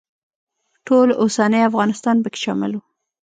ټول اوسنی افغانستان پکې شامل و.